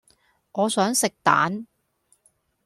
我想食蛋